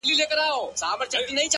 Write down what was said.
د سترگو توري په کي به دي ياده لرم!!